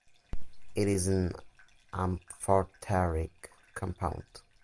It is an amphoteric compound.